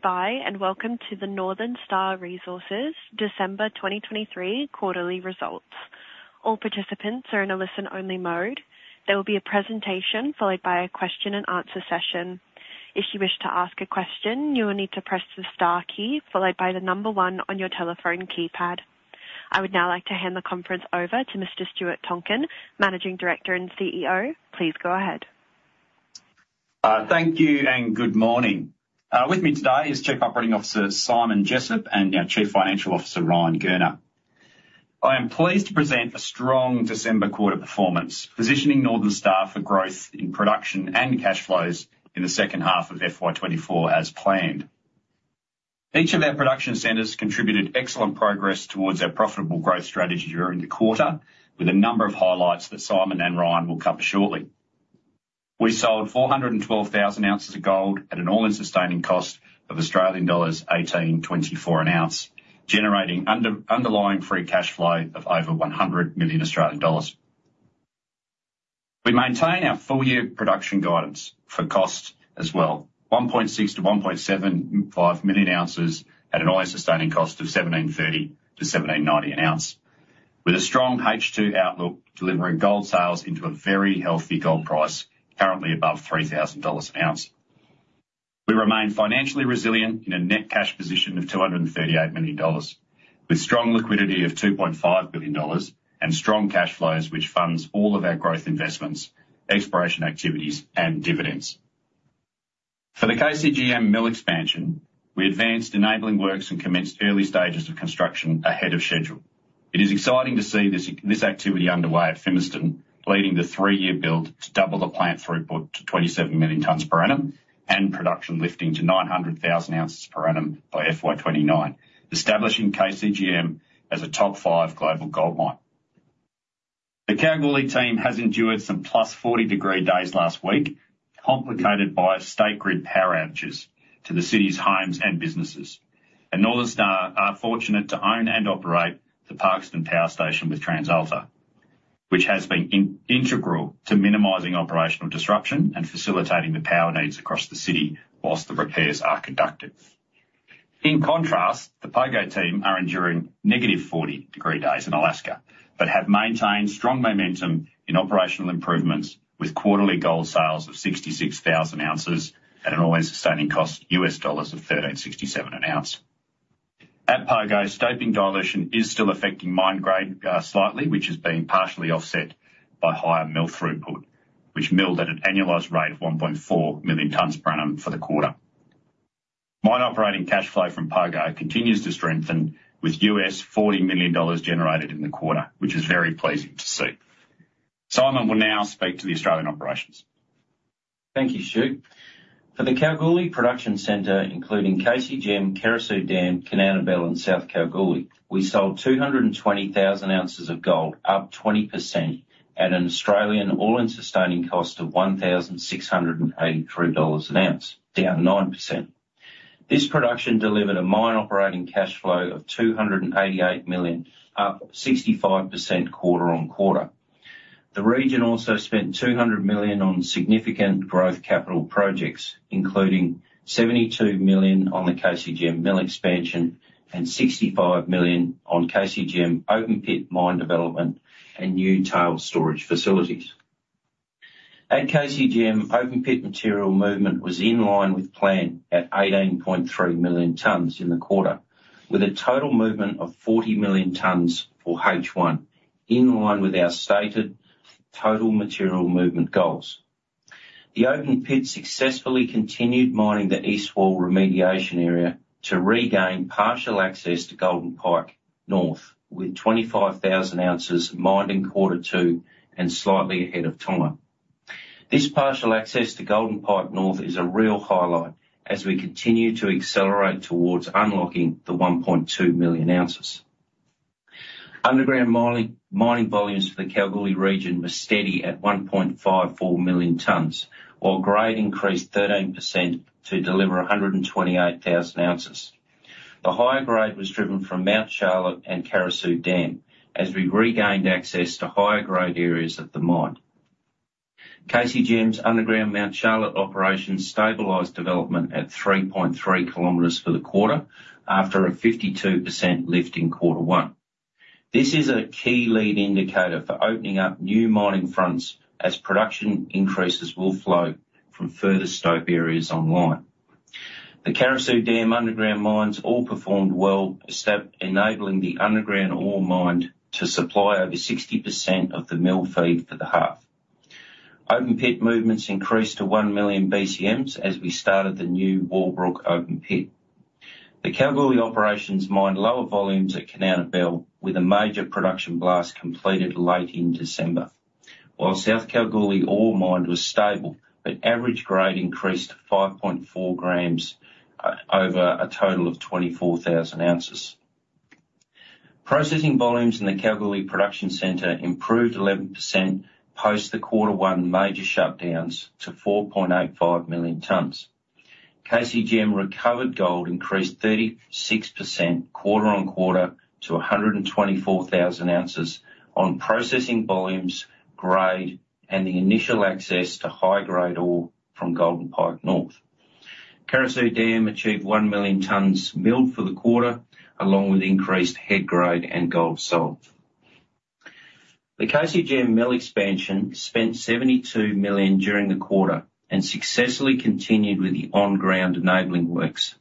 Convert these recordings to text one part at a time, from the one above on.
by, and welcome to the Northern Star Resources December 2023 quarterly results. All participants are in a listen-only mode. There will be a presentation, followed by a question and answer session. If you wish to ask a question, you will need to press the star key, followed by the number one on your telephone keypad. I would now like to hand the conference over to Mr. Stuart Tonkin, Managing Director and CEO. Please go ahead. Thank you, and good morning. With me today is Chief Operating Officer Simon Jessop and our Chief Financial Officer, Ryan Gurner. I am pleased to present a strong December quarter performance, positioning Northern Star for growth in production and cash flows in the second half of FY 2024 as planned. Each of our production centers contributed excellent progress towards our profitable growth strategy during the quarter, with a number of highlights that Simon and Ryan will cover shortly. We sold 412,000 ounces of gold at an all-in sustaining cost of Australian dollars 1,824 an ounce, generating underlying free cash flow of over 100 million Australian dollars. We maintain our full-year production guidance for cost as well, 1.6-1.75 million ounces at an all-in sustaining cost of 1,730-1,790 an ounce, with a strong H2 outlook, delivering gold sales into a very healthy gold price, currently above $3,000 an ounce. We remain financially resilient in a net cash position of 238 million dollars, with strong liquidity of 2.5 billion dollars and strong cash flows, which funds all of our growth investments, exploration activities, and dividends. For the KCGM mill expansion, we advanced enabling works and commenced early stages of construction ahead of schedule. It is exciting to see this activity underway at Fimiston, leading the three-year build to double the plant throughput to 27 million tonnes per annum and production lifting to 900,000 ounces per annum by FY 2029, establishing KCGM as a top five global gold mine. The Kalgoorlie team has endured some +40-degree days last week, complicated by state grid power outages to the city's homes and businesses, and Northern Star are fortunate to own and operate the Parkeston Power Station with TransAlta, which has been integral to minimizing operational disruption and facilitating the power needs across the city while the repairs are conducted. In contrast, the Pogo team are enduring -40-degree days in Alaska, but have maintained strong momentum in operational improvements, with quarterly gold sales of 66,000 ounces at an all-in sustaining cost of $1,367 an ounce. At Pogo, stoping dilution is still affecting mine grade, slightly, which is being partially offset by higher mill throughput, which milled at an annualized rate of 1.4 million tonnes per annum for the quarter. Mine operating cash flow from Pogo continues to strengthen, with $40 million generated in the quarter, which is very pleasing to see. Simon will now speak to the Australian operations. Thank you, Stuart. For the Kalgoorlie production center, including KCGM, Carosue Dam, Kanowna Belle, and South Kalgoorlie, we sold 220,000 ounces of gold, up 20%, at an Australian all-in sustaining cost of 1,683 dollars an ounce, down 9%. This production delivered a mine operating cash flow of 288 million, up 65% quarter-on-quarter. The region also spent 200 million on significant growth capital projects, including 72 million on the KCGM mill expansion and 65 million on KCGM open pit mine development and new tailings storage facilities. At KCGM, open pit material movement was in line with plan at 18.3 million tonnes in the quarter, with a total movement of 40 million tonnes for H1, in line with our stated total material movement goals. The open pit successfully continued mining the east wall remediation area to regain partial access to Golden Pike North, with 25,000 ounces mined in quarter two and slightly ahead of time. This partial access to Golden Pike North is a real highlight as we continue to accelerate towards unlocking the 1.2 million ounces. Underground mining, mining volumes for the Kalgoorlie region were steady at 1.54 million tonnes, while grade increased 13% to deliver 128,000 ounces. The higher grade was driven from Mount Charlotte and Carosue Dam, as we regained access to higher-grade areas of the mine. KCGM's underground Mount Charlotte operations stabilized development at 3.3 kilometers for the quarter after a 52% lift in quarter one. This is a key lead indicator for opening up new mining fronts, as production increases will flow from further stope areas online. The Carosue Dam underground mines all performed well, enabling the underground ore mine to supply over 60% of the mill feed for the half. Open pit movements increased to 1 million BCMs as we started the new Wallbrook open pit. The Kalgoorlie operations mined lower volumes at Kanowna Belle, with a major production blast completed late in December. While South Kalgoorlie ore mined was stable, but average grade increased to 5.4 grams over a total of 24,000 ounces. Processing volumes in the Kalgoorlie production center improved 11% post the quarter one major shutdowns to 4.85 million tons. KCGM recovered gold increased 36% quarter-on-quarter to 124,000 ounces on processing volumes, grade, and the initial access to high-grade ore from Golden Pike North. Carosue Dam achieved 1,000,000 tons milled for the quarter, along with increased head grade and gold sold. The KCGM mill expansion spent 72 million during the quarter and successfully continued with the on-ground enabling works.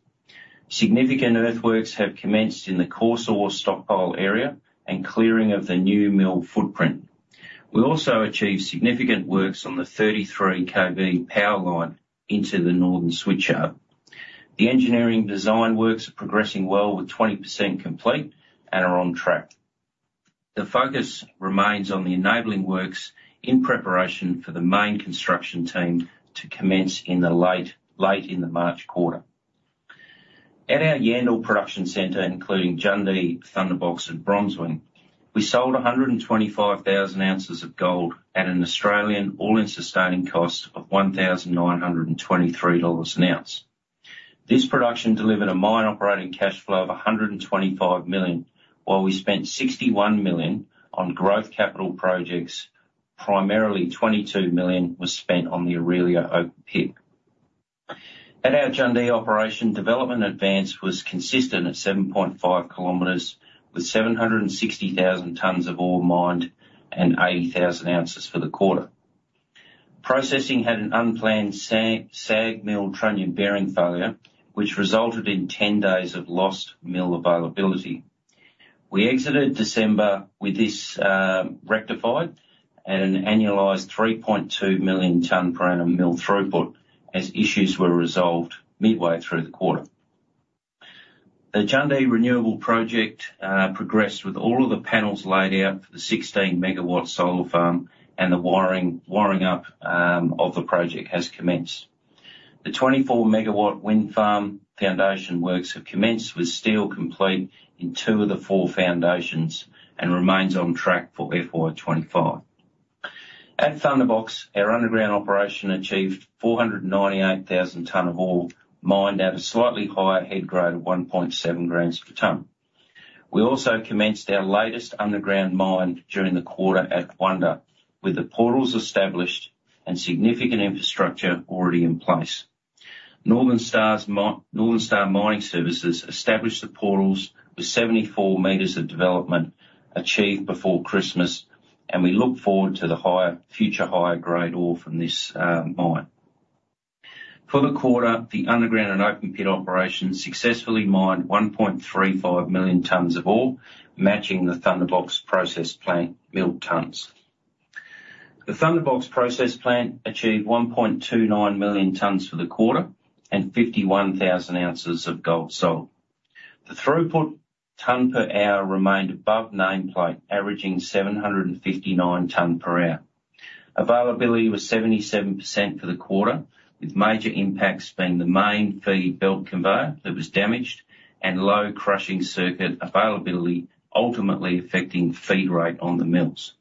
Significant earthworks have commenced in the coarse ore stockpile area and clearing of the new mill footprint. We also achieved significant works on the 33 kV power line into the Northern Switcher. The engineering design works are progressing well, with 20% complete and are on track. The focus remains on the enabling works in preparation for the main construction team to commence late in the March quarter. At our Yandal production center, including Jundee, Thunderbox, and Bronzewing, we sold 125,000 ounces of gold at an Australian all-in sustaining cost of AUD 1,923 an ounce. This production delivered a mine operating cash flow of AUD 125 million, while we spent AUD 61 million on growth capital projects. Primarily, AUD 22 million was spent on the Aurelia open pit. At our Jundee operation, development advance was consistent at 7.5 kilometers, with 760,000 tons of ore mined and 80,000 ounces for the quarter. Processing had an unplanned SAG mill trunnion bearing failure, which resulted in 10 days of lost mill availability. We exited December with this rectified and an annualized 3.2 million ton per annum mill throughput, as issues were resolved midway through the quarter. The Jundee Renewable Project progressed with all of the panels laid out for the 16-MW solar farm, and the wiring up of the project has commenced. The 24-MW wind farm foundation works have commenced, with steel complete in two of the four foundations and remains on track for FY 2025. At Thunderbox, our underground operation achieved 498,000 tons of ore, mined at a slightly higher head grade of 1.7 grams per ton. We also commenced our latest underground mine during the quarter at Wonder, with the portals established and significant infrastructure already in place. Northern Star Mining Services established the portals, with 74 meters of development achieved before Christmas, and we look forward to the future higher-grade ore from this mine. For the quarter, the underground and open pit operations successfully mined 1.35 million tons of ore, matching the Thunderbox processing plant milled tons. The Thunderbox processing plant achieved 1.29 million tons for the quarter and 51,000 ounces of gold sold. The throughput tons per hour remained above nameplate, averaging 759 tons per hour. Availability was 77% for the quarter, with major impacts being the main feed belt conveyor that was damaged and low crushing circuit availability, ultimately affecting feed rate on the mills.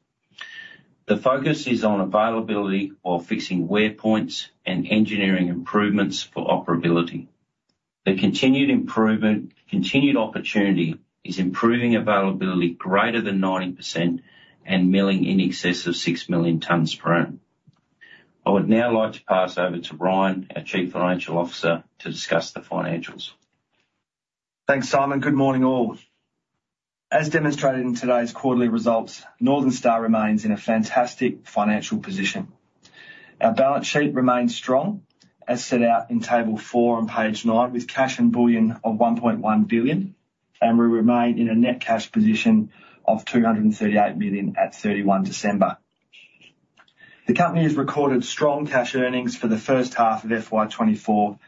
The focus is on availability while fixing wear points and engineering improvements for operability. The continued improvement, continued opportunity is improving availability greater than 90% and milling in excess of 6 million tons per annum. I would now like to pass over to Ryan, our Chief Financial Officer, to discuss the financials. Thanks, Simon. Good morning, all. As demonstrated in today's quarterly results, Northern Star remains in a fantastic financial position. Our balance sheet remains strong, as set out in table four on page nine, with cash and bullion of 1.1 billion, and we remain in a net cash position of 238 million at December 31. The company has recorded strong cash earnings for the first half of FY 2024,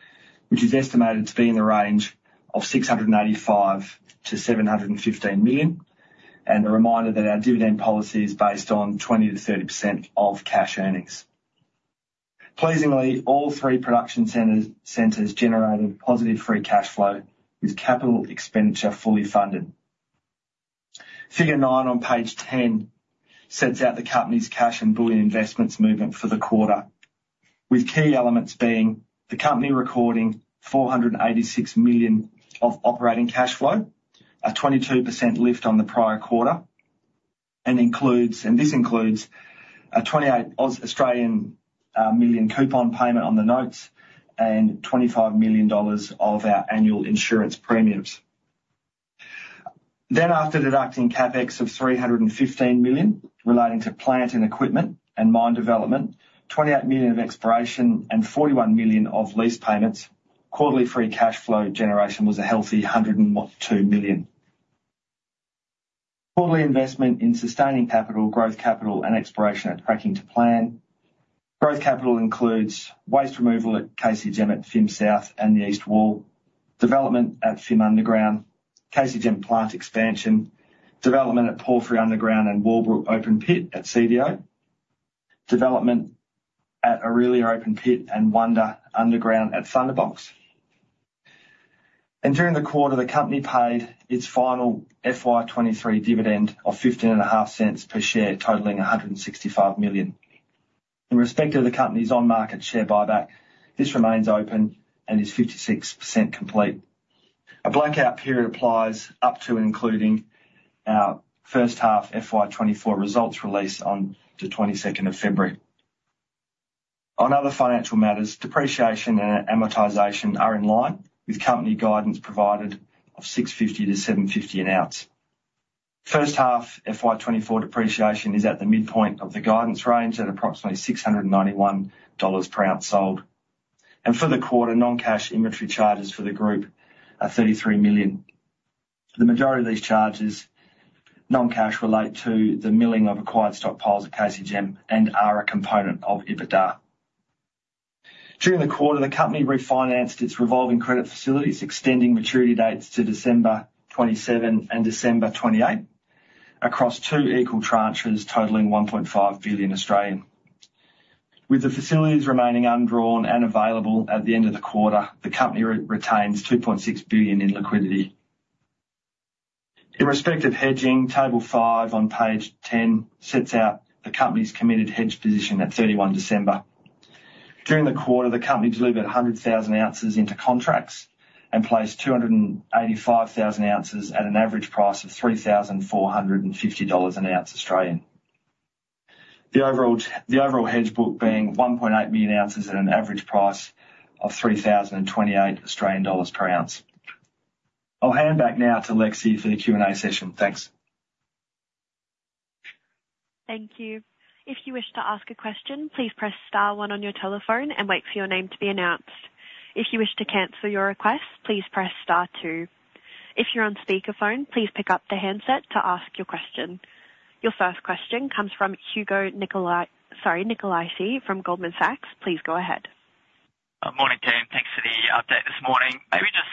which is estimated to be in the range of 685 million-715 million, and a reminder that our dividend policy is based on 20%-30% of cash earnings. Pleasingly, all three production centers generated positive free cash flow, with capital expenditure fully funded. Figure nine on page 10 sets out the company's cash and bullion investments movement for the quarter, with key elements being the company recording 486 million of operating cash flow, a 22% lift on the prior quarter, and includes—and this includes a 28 million coupon payment on the notes and AUD 25 million of our annual insurance premiums. Then, after deducting CapEx of 315 million relating to plant and equipment and mine development, 28 million of exploration and 41 million of lease payments, quarterly free cash flow generation was a healthy 102 million. Quarterly investment in sustaining capital, growth capital and exploration are tracking to plan. Growth capital includes waste removal at KCGM at Fimiston South and the east wall, development at Fimiston Underground, KCGM plant expansion, development at Palfrey Underground and Wallbrook open pit at CDO, development at Aurelia open pit and Wonder Underground at Thunderbox. During the quarter, the company paid its final FY 2023 dividend of 0.155 per share, totaling 165 million. In respect of the company's on-market share buyback, this remains open and is 56% complete. A blackout period applies up to and including our first half FY 2024 results release on the February 22nd. On other financial matters, depreciation and amortization are in line with company guidance provided of 650-750 an ounce. First half FY 2024 depreciation is at the midpoint of the guidance range at approximately 691 dollars per ounce sold. And for the quarter, non-cash inventory charges for the group are 33 million. The majority of these charges, non-cash, relate to the milling of acquired stockpiles at KCGM and are a component of EBITDA. During the quarter, the company refinanced its revolving credit facilities, extending maturity dates to December 2027 and December 2028 across two equal tranches totaling 1.5 billion Australian. With the facilities remaining undrawn and available at the end of the quarter, the company retains 2.6 billion in liquidity. In respect of hedging, table five on page 10 sets out the company's committed hedge position at December 31. During the quarter, the company delivered 100,000 ounces into contracts and placed 285,000 ounces at an average price of 3,450 dollars an ounce. The overall hedge book being 1.8 million ounces at an average price of 3,028 Australian dollars per ounce. I'll hand back now to Lexi for the Q&A session. Thanks. Thank you. If you wish to ask a question, please press star one on your telephone and wait for your name to be announced. If you wish to cancel your request, please press star two. If you're on speakerphone, please pick up the handset to ask your question. Your first question comes from Hugo Nicolaci... Sorry, Nicolaci from Goldman Sachs. Please go ahead. Morning, team. Thanks for the update this morning. Maybe just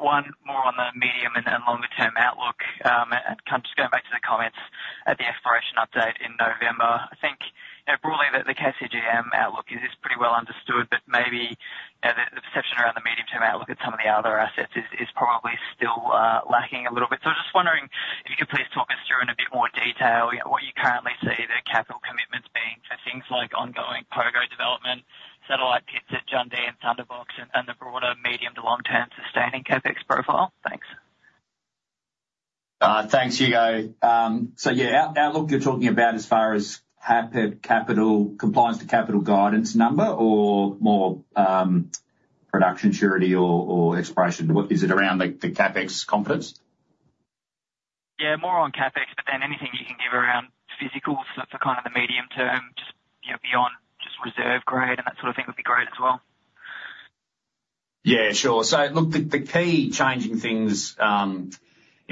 one more on the medium and longer term outlook, and kind of just going back to the comments at the exploration update in November. I think, you know, broadly that the KCGM outlook is pretty well understood, but maybe the perception around the medium-term outlook at some of the other assets is probably still lacking a little bit. So I'm just wondering if you could please talk us through in a bit more detail what you currently see the capital commitments being for things like ongoing Pogo development, satellite pits at Jundee and Thunderbox, and the broader medium to long-term sustaining CapEx profile. Thanks. Thanks, Hugo. So yeah, outlook, you're talking about as far as CapEx capital, compliance to capital guidance number or more, production surety or exploration? Is it around the CapEx confidence? Yeah, more on CapEx, but then anything you can give around physicals for kind of the medium term, just, you know, beyond just Reserve Grade and that sort of thing would be great as well. Yeah, sure. So look, the key changing things, you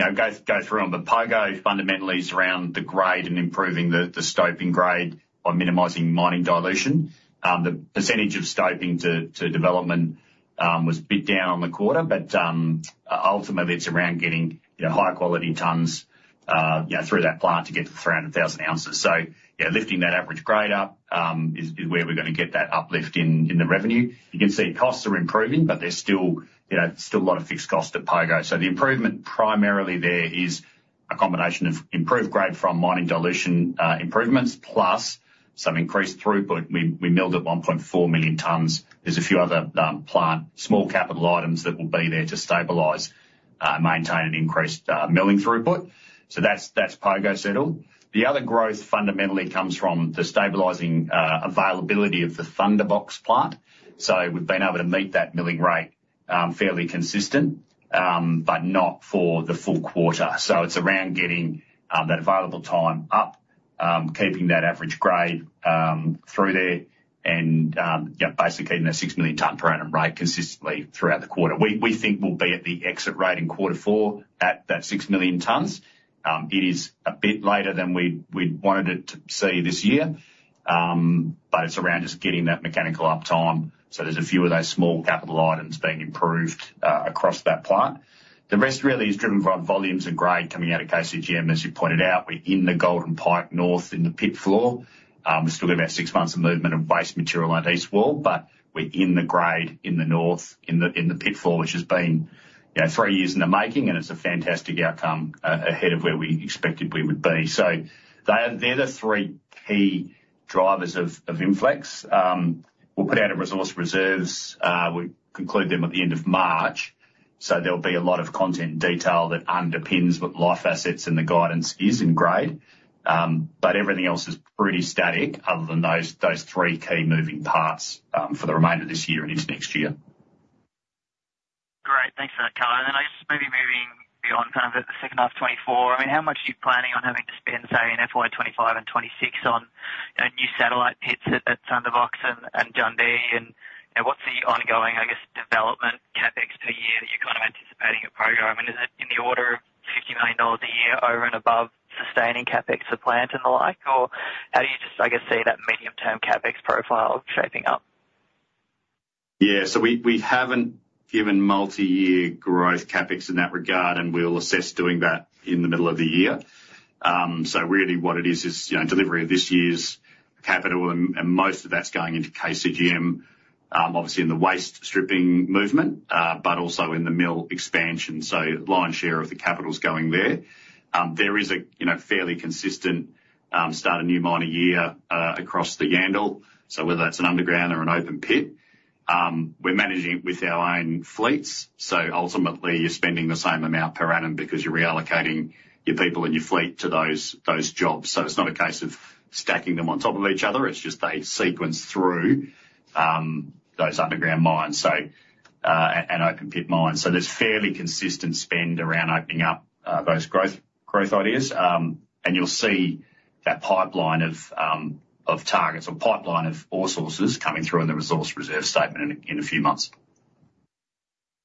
know, go through them, but Pogo fundamentally is around the grade and improving the stoping grade by minimizing mining dilution. The percentage of stoping to development was a bit down on the quarter, but ultimately, it's around getting, you know, high-quality tons, you know, through that plant to get to 300,000 ounces. So yeah, lifting that average grade up is where we're gonna get that uplift in the revenue. You can see costs are improving, but there's still, you know, still a lot of fixed costs at Pogo. So the improvement primarily there is a combination of improved grade from mining dilution improvements, plus some increased throughput. We milled at 1.4 million tons. There's a few other, plant, small capital items that will be there to stabilize, maintain an increased, milling throughput. So that's, that's Pogo settled. The other growth fundamentally comes from the stabilizing, availability of the Thunderbox plant. So we've been able to meet that milling rate, fairly consistent, but not for the full quarter. So it's around getting, that available time up, keeping that average grade, through there and, yeah, basically hitting that 6 million tonnes per annum rate consistently throughout the quarter. We, we think we'll be at the exit rate in quarter four at that 6 million tonnes. It is a bit later than we, we'd wanted it to see this year, but it's around just getting that mechanical uptime. So there's a few of those small capital items being improved, across that plant. The rest really is driven by volumes and grade coming out of KCGM. As you pointed out, we're in the Golden Pike North in the pit floor. We've still got about six months of movement of waste material at East Wall, but we're in the grade in the north in the pit floor, which has been, you know, three years in the making, and it's a fantastic outcome ahead of where we expected we would be. So they're the three key drivers of inflex. We'll put out a resource reserves, we conclude them at the end of March, so there'll be a lot of content and detail that underpins what life assets and the guidance is in grade. But everything else is pretty static other than those three key moving parts, for the remainder of this year and into next year. Great. Thanks for that, Stuart. And I just maybe moving beyond kind of the second half of 2024, I mean, how much are you planning on having to spend, say, in FY 2025 and 2026 on, you know, new satellite pits at Thunderbox and Jundee? And, you know, what's the ongoing, I guess, development CapEx per year that you're kind of anticipating at Pogo? I mean, is it in the order of $50 million a year over and above sustaining CapEx for plant and the like? Or how do you just, I guess, see that medium-term CapEx profile shaping up? Yeah, so we haven't given multi-year growth CapEx in that regard, and we'll assess doing that in the middle of the year. So really what it is, you know, delivery of this year's capital, and most of that's going into KCGM, obviously in the waste stripping movement, but also in the mill expansion. So lion's share of the capital's going there. There is, you know, a fairly consistent start a new mine a year, across the Yandal. So whether that's an underground or an open pit. We're managing it with our own fleets, so ultimately you're spending the same amount per annum because you're reallocating your people and your fleet to those jobs. So it's not a case of stacking them on top of each other, it's just they sequence through those underground mines. So, and open pit mines. So there's fairly consistent spend around opening up those growth ideas. And you'll see that pipeline of targets or pipeline of ore sources coming through in the resource reserve statement in a few months.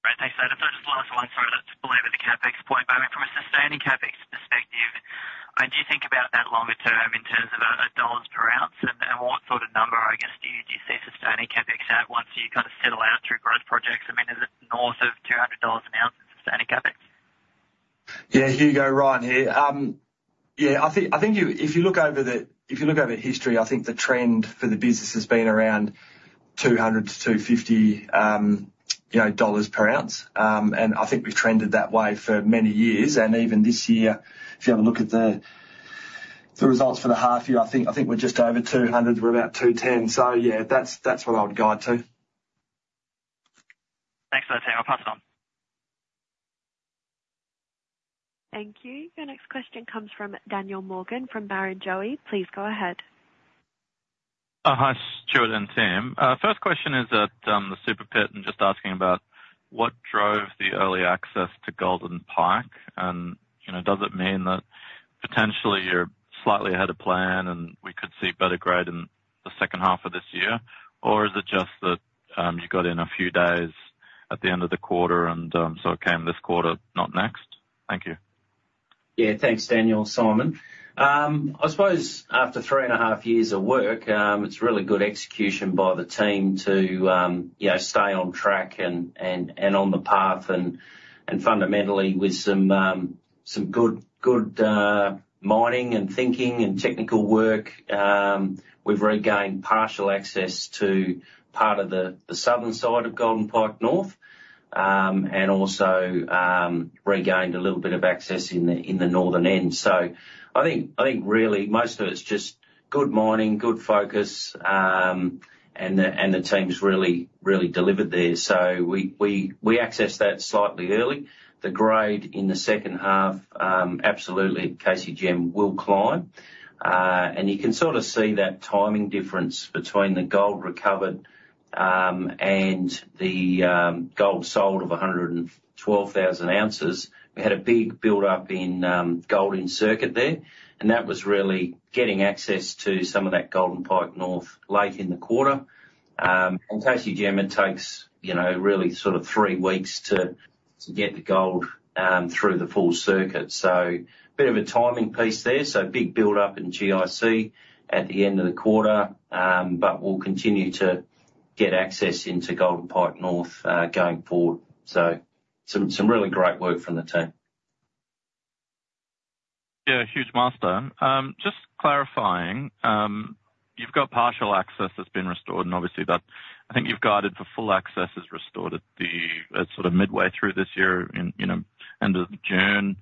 Great. Thanks, Adam. So just last one, sorry, just to belabor the CapEx point. I mean, from a sustaining CapEx perspective, do you think about that longer term in terms of dollars per ounce? And what sort of number, I guess, do you see sustaining CapEx at once you kind of settle out through growth projects? I mean, is it north of $200 an ounce in sustaining CapEx? Yeah, Hugo, Ryan here. Yeah, I think if you look over history, I think the trend for the business has been around 200-250, you know, per ounce. And I think we've trended that way for many years. And even this year, if you have a look at the results for the half year, I think we're just over 200. We're about 210. So yeah, that's what I would guide to. Thanks for that, Ryan. I'll pass it on. Thank you. Your next question comes from Daniel Morgan, from Barrenjoey. Please go ahead. Hi, Stuart and Simon. First question is at the Super Pit, and just asking about what drove the early access to Golden Pike? And, you know, does it mean that potentially you're slightly ahead of plan, and we could see better grade in the second half of this year? Or is it just that you got in a few days at the end of the quarter and so it came this quarter, not next? Thank you. Yeah, thanks, Daniel and Simon. I suppose after three and a half years of work, it's really good execution by the team to, you know, stay on track and on the path and fundamentally with some good mining and thinking and technical work. We've regained partial access to part of the southern side of Golden Pike North. And also, regained a little bit of access in the northern end. So I think really most of it's just good mining, good focus, and the team's really delivered there. So we accessed that slightly early. The grade in the second half, absolutely KCGM will climb. And you can sort of see that timing difference between the gold recovered and the gold sold of 112,000 ounces. We had a big buildup in gold in circuit there, and that was really getting access to some of that Golden Pike North late in the quarter. And KCGM, it takes, you know, really sort of three weeks to get the gold through the full circuit. So bit of a timing piece there. So big buildup in GIC at the end of the quarter, but we'll continue to get access into Golden Pike North going forward. So some really great work from the team. Yeah, huge master. Just clarifying, you've got partial access that's been restored and obviously that's. I think you've guided for full access is restored at the, sort of midway through this year in, you know, end of June.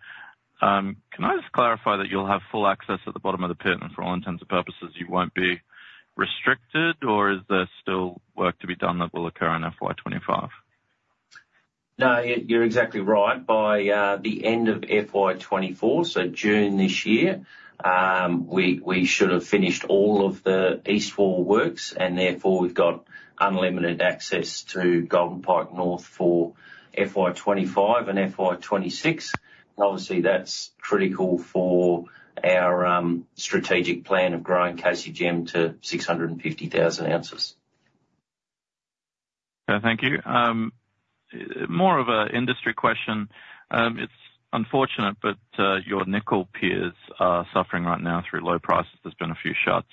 Can I just clarify that you'll have full access at the bottom of the pit, and for all intents and purposes, you won't be restricted? Or is there still work to be done that will occur in FY 25? No, you're, you're exactly right. By the end of FY 2024, so June this year, we should have finished all of the east wall works, and therefore we've got unlimited access to Golden Pike North for FY 2025 and FY 2026. Obviously, that's critical for our strategic plan of growing KCGM to 650,000 ounces. Okay, thank you. More of a industry question. It's unfortunate, but your nickel peers are suffering right now through low prices. There's been a few shuts,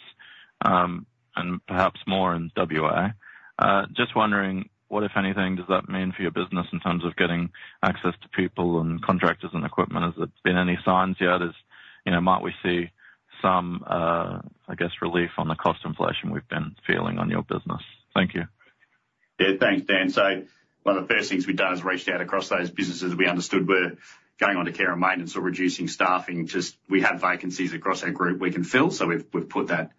and perhaps more in WA. Just wondering, what, if anything, does that mean for your business in terms of getting access to people and contractors and equipment? Has there been any signs yet as, you know, might we see some, I guess, relief on the cost inflation we've been feeling on your business? Thank you. Yeah, thanks, Dan. So one of the first things we've done is reached out across those businesses we understood were going onto care and maintenance or reducing staffing. Just we have vacancies across our group we can fill, so we've put that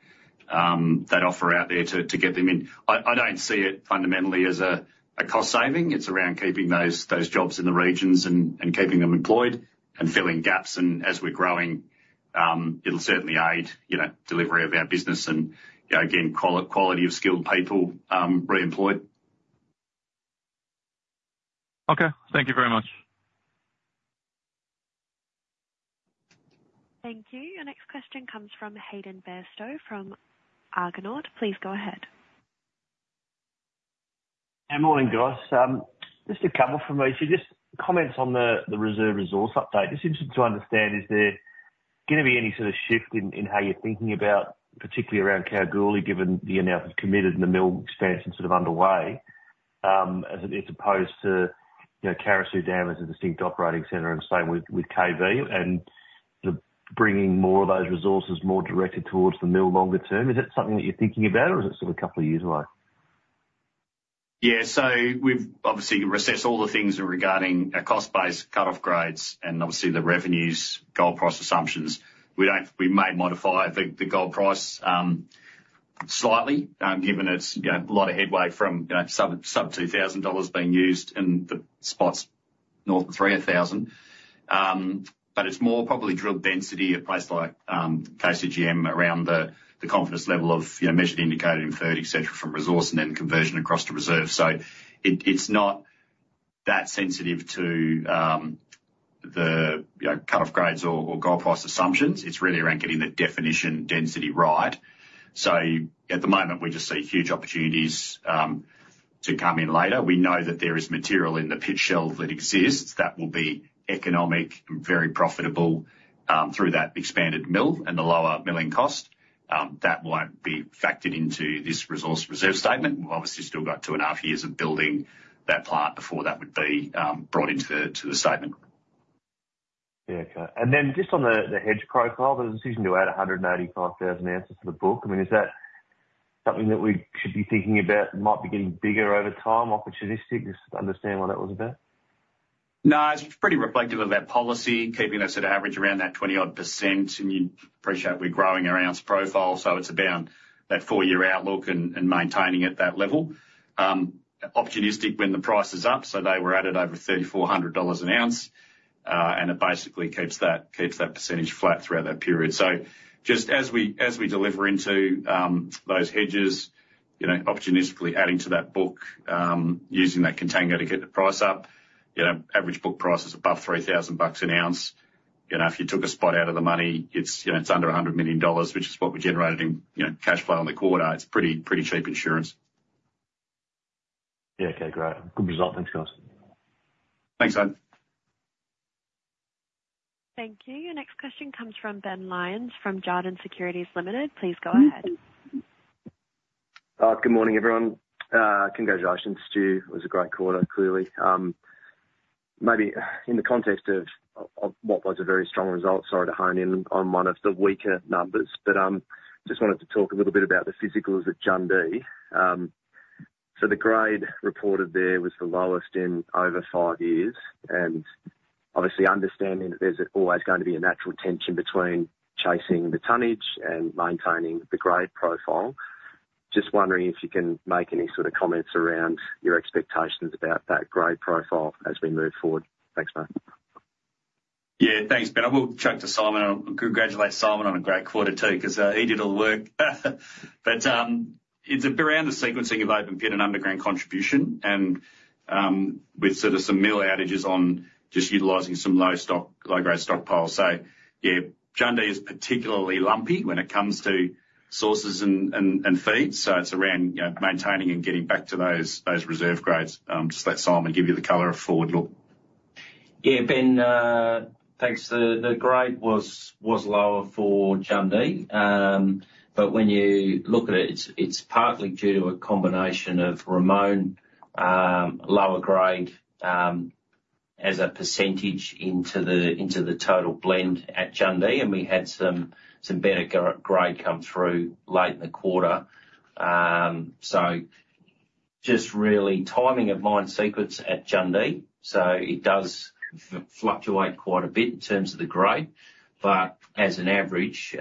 offer out there to get them in. I don't see it fundamentally as a cost saving. It's around keeping those jobs in the regions and keeping them employed and filling gaps. And as we're growing, it'll certainly aid, you know, delivery of our business and, you know, again, quality of skilled people reemployed. Okay, thank you very much. Thank you. Our next question comes from Hayden Bairstow from Argonaut. Please go ahead. Hey, morning, guys. Just a couple from me. So just comments on the reserve resource update. Just interested to understand, is there going to be any sort of shift in how you're thinking about, particularly around Kalgoorlie, given the amount of committed and the mill expansion sort of underway, as opposed to, you know, Carosue Dam as a distinct operating center and same with KCGM, and the bringing more of those resources more directed towards the mill longer term? Is that something that you're thinking about, or is it sort of a couple of years away? Yeah, so we've obviously reassessed all the things regarding our cost base, cut-off grades, and obviously the revenues, gold price assumptions. We may modify the gold price slightly, given it's, you know, a lot of headway from, you know, sub $2,000 being used in the spots north of $3,000. But it's more probably drill density at place like KCGM, around the confidence level of, you know, measured, indicated, inferred, et cetera, from resource and then conversion across to reserve. So it's not that sensitive to the, you know, cut-off grades or gold price assumptions. It's really around getting the definition density right. So at the moment, we just see huge opportunities to come in later. We know that there is material in the pit shell that exists that will be economic and very profitable, through that expanded mill and the lower milling cost. That won't be factored into this resource reserve statement. We've obviously still got two and a half years of building that plant before that would be, brought into the, to the statement. Yeah. Okay, and then just on the hedge profile, the decision to add 185,000 ounces to the book, I mean, is that something that we should be thinking about might be getting bigger over time, opportunistic? Just understand what that was about. No, it's pretty reflective of that policy, keeping us at an average around that 20%+, and you'd appreciate we're growing our ounce profile, so it's about that four year outlook and maintaining at that level. Opportunistic when the price is up, so they were added over $3,400 an ounce. And it basically keeps that, keeps that percentage flat throughout that period. So just as we, as we deliver into those hedges, you know, opportunistically adding to that book, using that contango to get the price up, you know, average book price is above $3,000 bucks an ounce. You know, if you took a spot out of the money, it's, you know, it's under $100 million, which is what we generated in, you know, cash flow on the quarter. It's pretty, pretty cheap insurance. Yeah. Okay, great. Good result. Thanks, guys. Thanks, Hyden. Thank you. Your next question comes from Ben Lyons from Jarden Securities Limited. Please go ahead. Good morning, everyone. Congratulations, Stu. It was a great quarter, clearly. Maybe in the context of what was a very strong result, sorry, to hone in on one of the weaker numbers, but just wanted to talk a little bit about the physicals at Jundee. So the grade reported there was the lowest in over five years, and obviously understanding that there's always going to be a natural tension between chasing the tonnage and maintaining the grade profile. Just wondering if you can make any sort of comments around your expectations about that grade profile as we move forward. Thanks, mate. Yeah, thanks, Ben. I will chuck to Simon and congratulate Simon on a great quarter, too, because he did all the work. But it's around the sequencing of open pit and underground contribution and with sort of some mill outages on just utilizing some low stock, low-grade stockpiles. So yeah, Jundee is particularly lumpy when it comes to sources and feeds, so it's around, you know, maintaining and getting back to those reserve grades. Just let Simon give you the color and forward look. Yeah, Ben, thanks. The grade was lower for Jundee, but when you look at it, it's partly due to a combination of Ramone lower grade as a percentage into the total blend at Jundee, and we had some better grade come through late in the quarter. So just really timing of mine sequence at Jundee, so it does fluctuate quite a bit in terms of the grade, but as an average,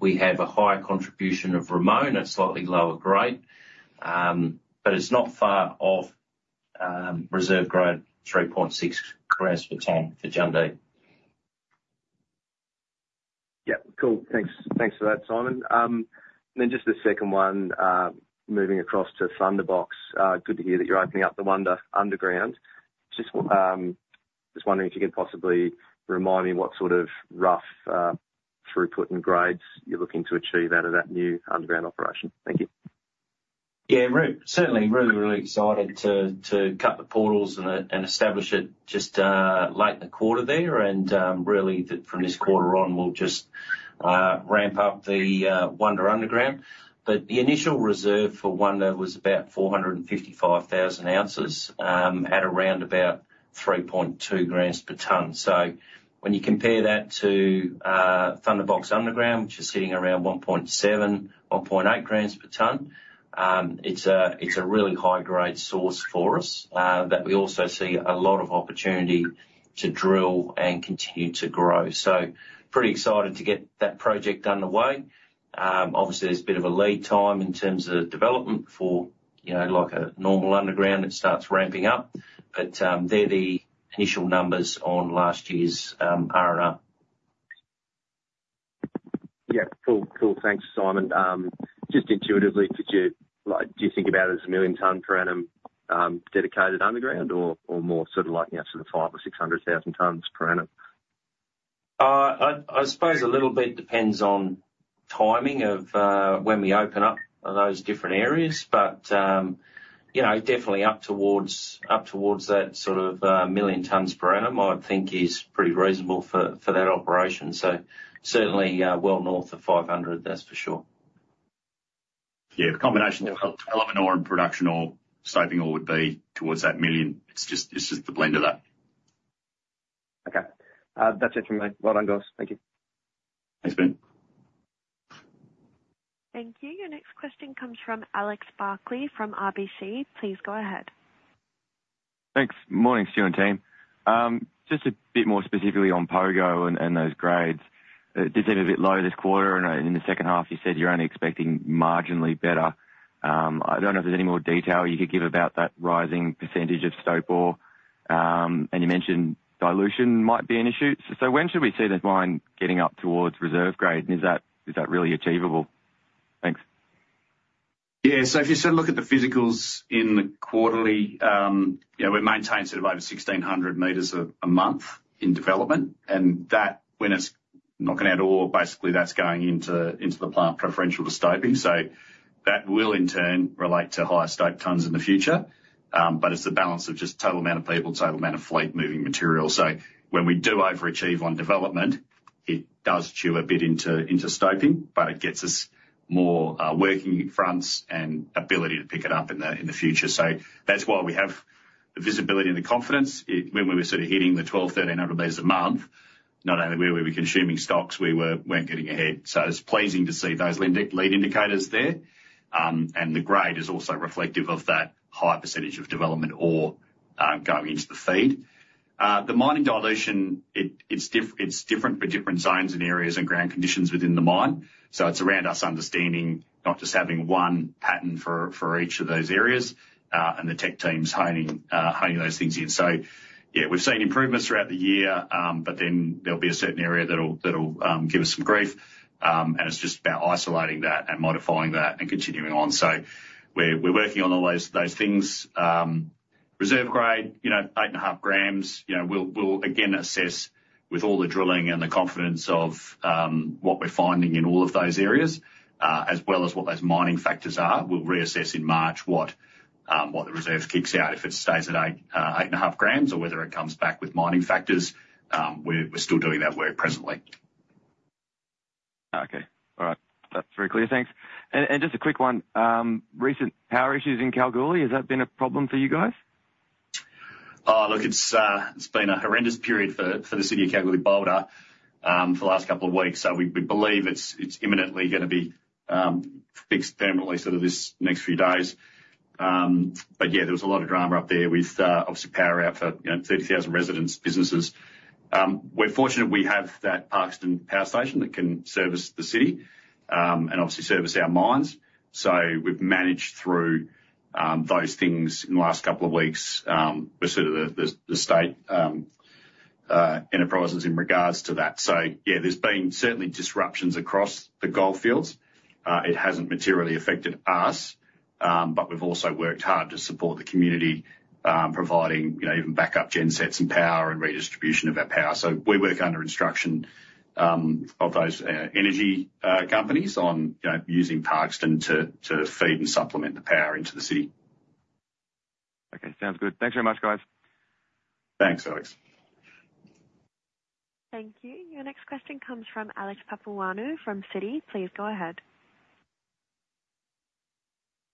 we have a higher contribution of Ramone at slightly lower grade, but it's not far off reserve grade 3.6 grams per tonnes for Jundee. Yeah. Cool. Thanks, thanks for that, Simon. Then just the second one, moving across to Thunderbox. Good to hear that you're opening up the Wonder underground. Just, just wondering if you could possibly remind me what sort of rough throughput and grades you're looking to achieve out of that new underground operation. Thank you. Yeah, certainly really excited to cut the portals and establish it just late in the quarter there. And really from this quarter on, we'll just ramp up the Wonder underground. But the initial reserve for Wonder was about 455,000 ounces at around about 3.2 grams per tonnes. So when you compare that to Thunderbox underground, which is sitting around 1.7-1.8 grams per tonnes, it's a really high-grade source for us that we also see a lot of opportunity to drill and continue to grow. So pretty excited to get that project underway. Obviously, there's a bit of a lead time in terms of development for, you know, like a normal underground, it starts ramping up. They're the initial numbers on last year's R&R. Yeah. Cool, cool. Thanks, Simon. Just intuitively, did you—like, do you think about it as 1 million tonnes per annum dedicated underground or, or more sort of like out to the 500,000 or 600,000 tonnes per annum? I suppose a little bit depends on timing of when we open up those different areas, but you know, definitely up towards, up towards that sort of 1 million tonnes per annum. I'd think is pretty reasonable for that operation. So certainly well north of 500, that's for sure. Yeah, the combination of development ore and production ore, shaping ore, would be towards that million. It's just, it's just the blend of that. Okay. That's it from me. Well done, guys. Thank you. Thanks, Ben. Thank you. Your next question comes from Alex Barclay, from RBC. Please go ahead. Thanks. Morning, Stuart and team. Just a bit more specifically on Pogo and those grades. It did seem a bit low this quarter, and in the second half, you said you're only expecting marginally better. I don't know if there's any more detail you could give about that rising percentage of stope ore. And you mentioned dilution might be an issue, so when should we see the mine getting up towards reserve grade? And is that really achievable? Thanks. Yeah, so if you sort of look at the physicals in the quarterly, yeah, we maintain sort of over 1,600 meters a month in development, and that, when it's knocking out ore, basically, that's going into the plant preferential to stoping. So that will in turn relate to higher stope tonnes in the future. But it's the balance of just total amount of people, total amount of fleet moving material. So when we do overachieve on development, it does chew a bit into stoping, but it gets us more working fronts and ability to pick it up in the future. So that's why we have the visibility and the confidence. When we were sort of hitting the 1,200, 1,300 meters a month, not only were we consuming stocks, we weren't getting ahead. So it's pleasing to see those leading indicators there. And the grade is also reflective of that high percentage of development ore going into the feed. The mining dilution, it's different for different zones and areas and ground conditions within the mine, so it's around us understanding, not just having one pattern for each of those areas, and the tech team's honing those things in. So yeah, we've seen improvements throughout the year, but then there'll be a certain area that'll give us some grief. And it's just about isolating that and modifying that and continuing on. So we're working on all those things. Reserve grade, you know, 8.5 grams. You know, we'll again assess with all the drilling and the confidence of what we're finding in all of those areas, as well as what those mining factors are. We'll reassess in March what the reserves kicks out, if it stays at 8.5 grams, or whether it comes back with mining factors. We're still doing that work presently. Okay. All right. That's very clear. Thanks. And just a quick one, recent power issues in Kalgoorlie, has that been a problem for you guys? Oh, look, it's been a horrendous period for the city of Kalgoorlie-Boulder for the last couple of weeks. So we believe it's imminently gonna be fixed permanently sort of this next few days. But yeah, there was a lot of drama up there with obviously power out for, you know, 30,000 residents, businesses. We're fortunate we have that Parkeston Power Station that can service the city and obviously service our mines. So we've managed through those things in the last couple of weeks with sort of the state enterprises in regards to that. So yeah, there's been certainly disruptions across the Goldfields. It hasn't materially affected us, but we've also worked hard to support the community, providing, you know, even backup gen sets and power and redistribution of that power. So we work under instruction of those energy companies, you know, using Parkeston to feed and supplement the power into the city. Okay, sounds good. Thanks very much, guys. Thanks, Alex. Thank you. Your next question comes from Alex Papaioannou, from Citi. Please go ahead.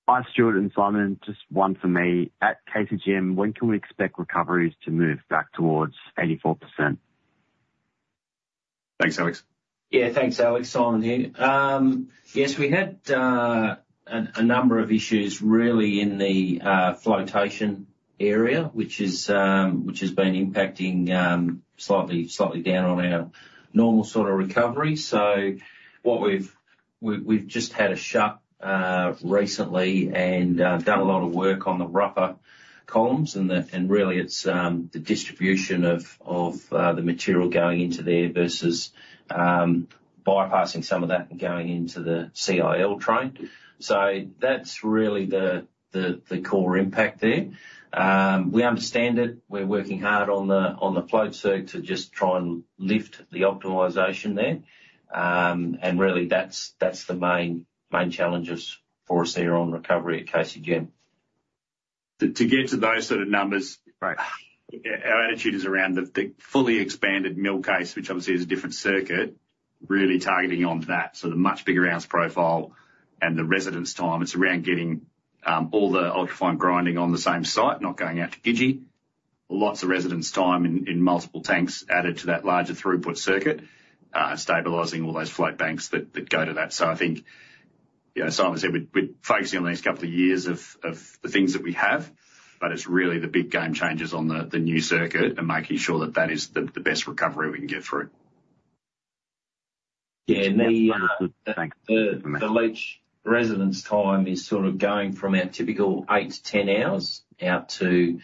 Hi, Stuart and Simon. Just one for me. At KCGM, when can we expect recoveries to move back towards 84%? Thanks, Alex. Yeah, thanks, Alex. Simon here. Yes, we had a number of issues really in the flotation area, which has been impacting slightly down on our normal sort of recovery. So what we've... We've just had a shut recently and done a lot of work on the rougher columns and really it's the distribution of the material going into there versus bypassing some of that and going into the CIL train. So that's really the core impact there. We understand it. We're working hard on the float circ to just try and lift the optimization there. And really, that's the main challenges for us there on recovery at KCGM. To get to those sort of numbers- Right. Our attitude is around the fully expanded mill case, which obviously is a different circuit, really targeting on that, so the much bigger ounce profile and the residence time. It's around getting all the ultra-fine grinding on the same site, not going out to Gidji. Lots of residence time in multiple tanks added to that larger throughput circuit, stabilizing all those float banks that go to that. So I think, you know, Simon said, we're focusing on these couple of years of the things that we have, but it's really the big game changers on the new circuit and making sure that that is the best recovery we can get through. Yeah. Thanks. The leach residence time is sort of going from our typical eight to 10 hours, out to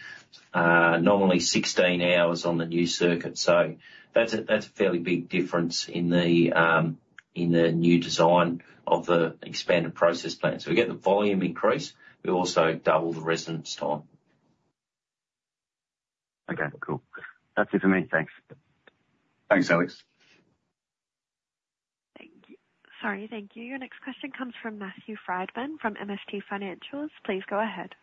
normally 16 hours on the new circuit. So that's a, that's a fairly big difference in the, in the new design of the expanded process plant. So we get the volume increase, we also double the residence time. Okay, cool. That's it for me. Thanks. Thanks, Alex. Thank you. Sorry, thank you. Your next question comes from Matthew Frydman from MST Financial. Please go ahead.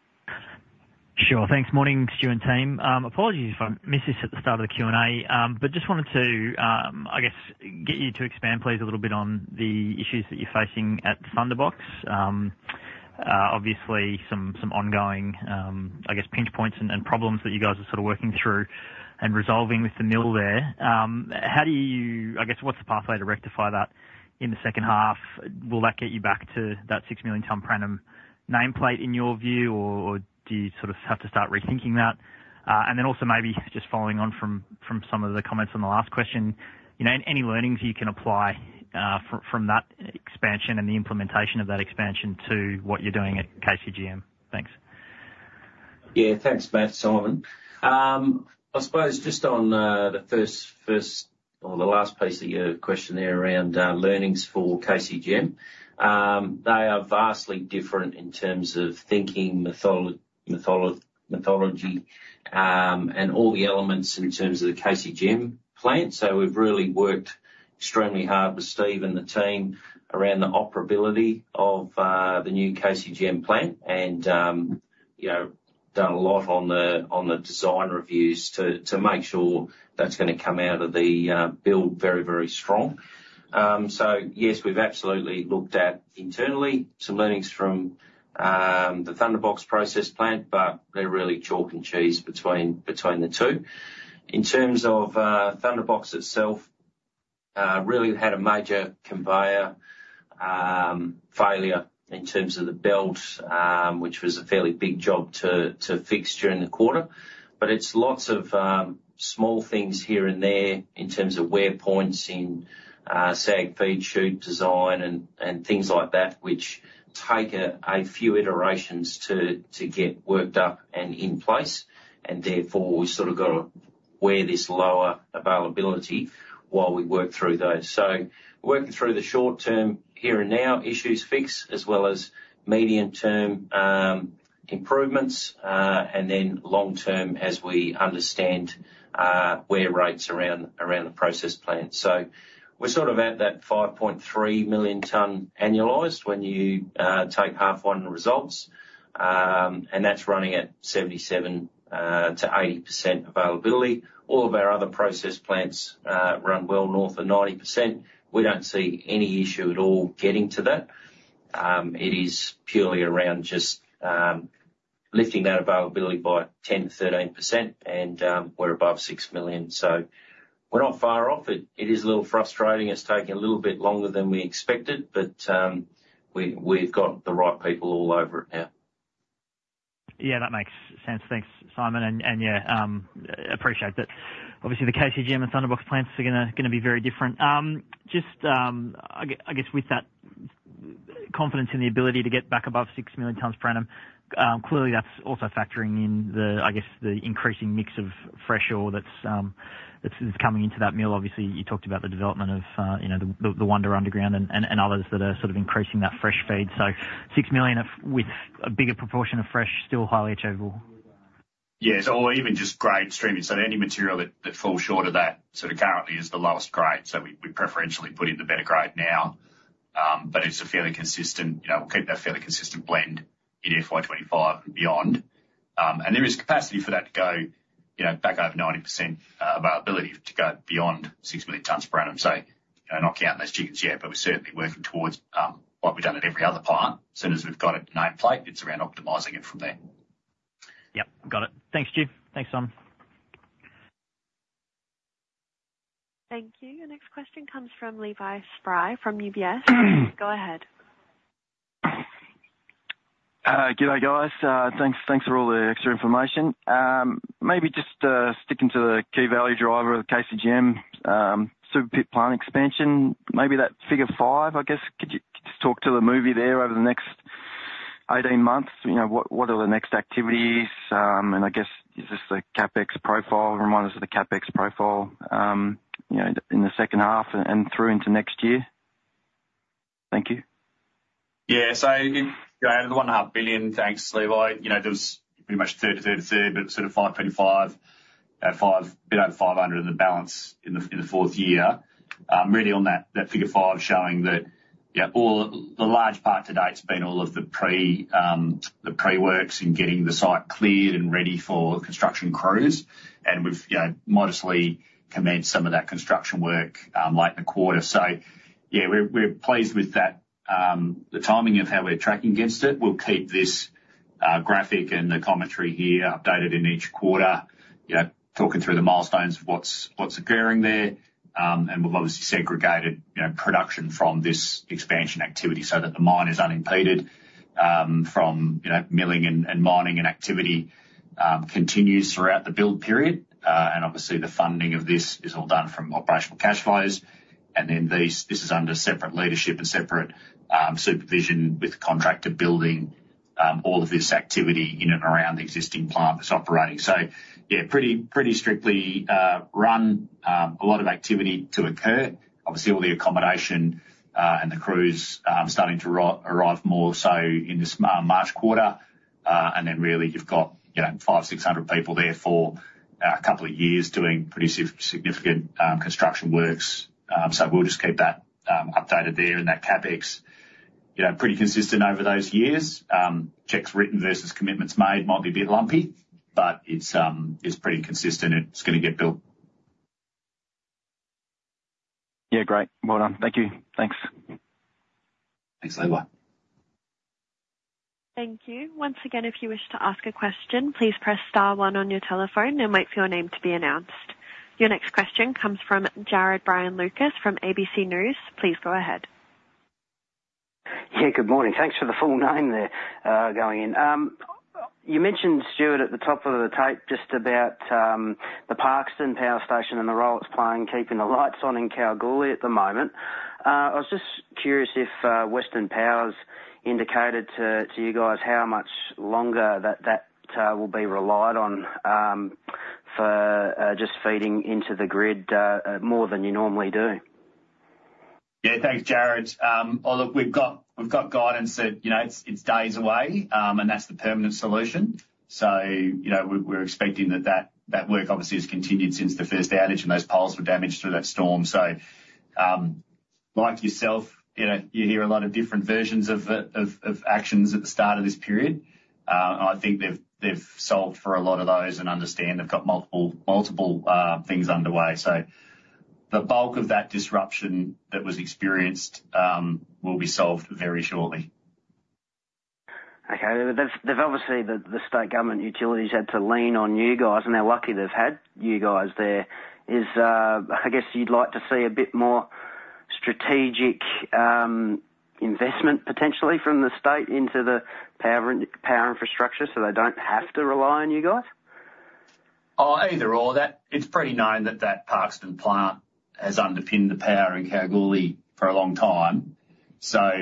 Sure. Thanks. Morning, Stuart and team. Apologies if I missed this at the start of the Q&A, but just wanted to, I guess, get you to expand, please, a little bit on the issues that you're facing at Thunderbox. Obviously some, some ongoing, I guess, pinch points and, and problems that you guys are sort of working through.... and resolving with the mill there, how do you, I guess, what's the pathway to rectify that in the second half? Will that get you back to that 6 million ton per annum nameplate in your view? Or do you sort of have to start rethinking that? And then also maybe just following on from some of the comments on the last question, you know, any learnings you can apply from that expansion and the implementation of that expansion to what you're doing at KCGM? Thanks. Yeah, thanks, Matt, Simon. I suppose just on the first or the last piece of your question there around learnings for KCGM. They are vastly different in terms of thinking, methodology, and all the elements in terms of the KCGM plant. So we've really worked extremely hard with Steve and the team around the operability of the new KCGM plant and, you know, done a lot on the design reviews to make sure that's gonna come out of the build very, very strong. So yes, we've absolutely looked at internally some learnings from the Thunderbox process plant, but they're really chalk and cheese between the two. In terms of Thunderbox itself, really had a major conveyor failure in terms of the belt, which was a fairly big job to fix during the quarter. But it's lots of small things here and there in terms of wear points in SAG feed chute design and things like that, which take a few iterations to get worked up and in place, and therefore, we've sort of got to wear this lower availability while we work through those. So working through the short-term here and now issues fix as well as medium-term improvements, and then long-term as we understand wear rates around the process plant. So we're sort of at that 5.3 million tonne annualized when you take H1 results, and that's running at 77%-80% availability. All of our other process plants run well north of 90%. We don't see any issue at all getting to that. It is purely around just lifting that availability by 10%-13% and we're above 6 million, so we're not far off it. It is a little frustrating. It's taking a little bit longer than we expected, but we, we've got the right people all over it now. Yeah, that makes sense. Thanks, Simon. And yeah, appreciate that. Obviously, the KCGM and Thunderbox plants are gonna be very different. Just, I guess with that confidence in the ability to get back above 6 million tons per annum, clearly, that's also factoring in the, I guess, the increasing mix of fresh ore that's coming into that mill. Obviously, you talked about the development of, you know, the Wonder Underground and others that are sort of increasing that fresh feed. So 6 million with a bigger proportion of fresh, still highly achievable? Yes, or even just grade streaming. So any material that falls short of that sort of currently is the lowest grade. So we preferentially put in the better grade now. But it's a fairly consistent, you know, we'll keep that fairly consistent blend in FY 25 and beyond. And there is capacity for that to go, you know, back over 90%, availability to go beyond 6 million tons per annum. So not counting those chickens yet, but we're certainly working towards what we've done at every other plant. As soon as we've got it nameplate, it's around optimizing it from there. Yep, got it. Thanks, Steve. Thanks, Simon. Thank you. Our next question comes from Levi Spry, from UBS. Go ahead. Good day, guys. Thanks, thanks for all the extra information. Maybe just sticking to the key value driver of the KCGM Super Pit plant expansion, maybe that figure 5, I guess, could you just talk to the movie there over the next 18 months? You know, what, what are the next activities? And I guess, is this the CapEx profile? Remind us of the CapEx profile, you know, in the second half and, and through into next year. Thank you. Yeah, so out of the 1.5 billion. Thanks, Levi. You know, there was pretty much third to third to third, but sort of 525, at five- a bit over 500, and the balance in the, in the fourth year. Really on that, that Figure 5 showing that, yeah, all the large part to date has been all of the pre, the pre-works and getting the site cleared and ready for construction crews. And we've, you know, modestly commenced some of that construction work, late in the quarter. So yeah, we're, we're pleased with that, the timing of how we're tracking against it. We'll keep this, graphic and the commentary here updated in each quarter, you know, talking through the milestones of what's, what's occurring there. And we've obviously segregated, you know, production from this expansion activity so that the mine is unimpeded from, you know, milling and mining, and activity continues throughout the build period. And obviously, the funding of this is all done from operational cash flows. And then this is under separate leadership and separate supervision, with the contractor building all of this activity in and around the existing plant that's operating. So yeah, pretty, pretty strictly run, a lot of activity to occur. Obviously, all the accommodation and the crews starting to arrive more so in this March quarter. And then really, you've got, you know, 500-600 people there for a couple of years doing pretty significant construction works. So we'll just keep that updated there and that CapEx, you know, pretty consistent over those years. Checks written versus commitments made might be a bit lumpy, but it's pretty consistent. It's gonna get built-... Yeah, great. Well done. Thank you. Thanks. Thanks, bye-bye. Thank you. Once again, if you wish to ask a question, please press star one on your telephone and wait for your name to be announced. Your next question comes from Jarrod Bryan Lucas from ABC News. Please go ahead. Yeah, good morning. Thanks for the full name there, going in. You mentioned, Stuart, at the top of the tape just about the Parkeston Power Station and the role it's playing, keeping the lights on in Kalgoorlie at the moment. I was just curious if Western Power's indicated to you guys how much longer that will be relied on for just feeding into the grid more than you normally do? Yeah, thanks, Jared. Oh, look, we've got guidance that, you know, it's days away, and that's the permanent solution. So, you know, we're expecting that work obviously has continued since the first outage and those poles were damaged through that storm. So, like yourself, you know, you hear a lot of different versions of actions at the start of this period. And I think they've solved for a lot of those and understand they've got multiple things underway. So the bulk of that disruption that was experienced will be solved very shortly. Okay. There's obviously the state government utilities had to lean on you guys, and they're lucky they've had you guys there. Is I guess you'd like to see a bit more strategic investment potentially from the state into the power infrastructure, so they don't have to rely on you guys? Oh, either or, that... It's pretty known that that Parkeston plant has underpinned the power in Kalgoorlie for a long time. So,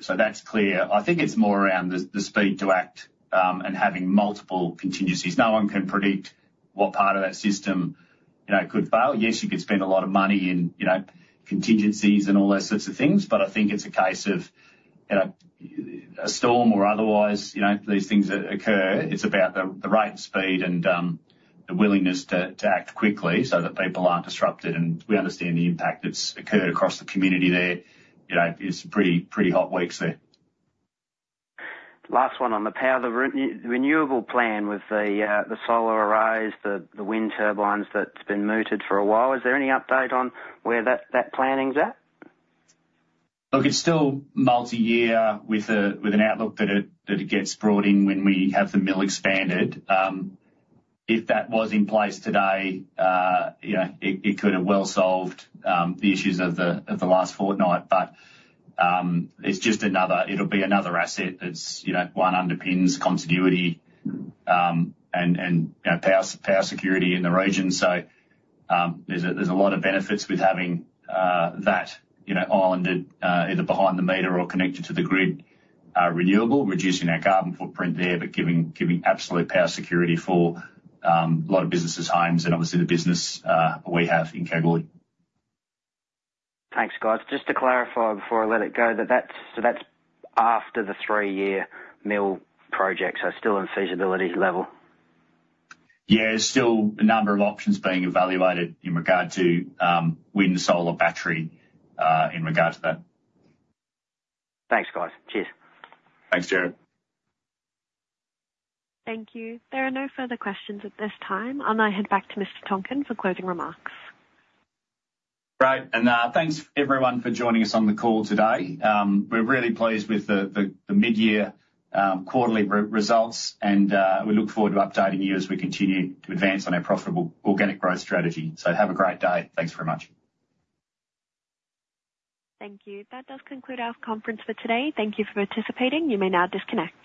so that's clear. I think it's more around the speed to act, and having multiple contingencies. No one can predict what part of that system, you know, could fail. Yes, you could spend a lot of money in, you know, contingencies and all those sorts of things, but I think it's a case of, you know, a storm or otherwise, you know, these things that occur, it's about the right speed and, the willingness to act quickly so that people aren't disrupted. And we understand the impact that's occurred across the community there. You know, it's pretty, pretty hot weeks there. Last one on the power, the renewable plan with the solar arrays, the wind turbines that's been mooted for a while. Is there any update on where that planning's at? Look, it's still multi-year with an outlook that it gets brought in when we have the mill expanded. If that was in place today, you know, it could have well solved the issues of the last fortnight. But, it's just another-- it'll be another asset that's, you know, one, underpins continuity, and, you know, power security in the region. So, there's a lot of benefits with having that, you know, islanded, either behind the meter or connected to the grid, renewable, reducing our carbon footprint there, but giving absolute power security for a lot of businesses, homes, and obviously the business we have in Kalgoorlie. Thanks, guys. Just to clarify before I let it go, that that's, so that's after the three-year mill project, so still in feasibility level? Yeah, there's still a number of options being evaluated in regard to wind, solar, battery, in regards to that. Thanks, guys. Cheers. Thanks, Jared. Thank you. There are no further questions at this time. I'll now head back to Mr. Tonkin for closing remarks. Great, thanks everyone for joining us on the call today. We're really pleased with the mid-year quarterly results, and we look forward to updating you as we continue to advance on our profitable organic growth strategy. So have a great day. Thanks very much. Thank you. That does conclude our conference for today. Thank you for participating. You may now disconnect.